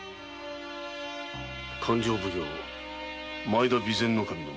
勘定奉行の前田備前守の紋所だ。